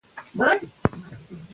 سوله د خلکو ترمنځ یووالی زیاتوي.